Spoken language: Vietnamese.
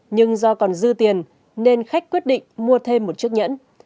nhưng do còn dư tiền nên khách quyết định mua thêm một chiếc nhẫn